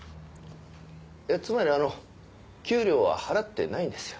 つまりあの給料は払ってないんですよ。